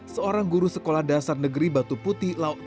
seorang guru sekolah dasar negeri batu putih